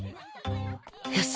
よし。